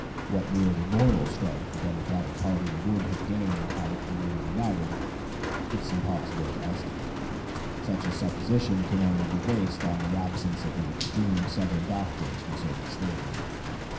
What merely moral strength the Democratic party would have gained had it remained united, it is impossible to estimate. Such a supposition can only be based on the absence of the extreme Southern doctrines concerning slavery.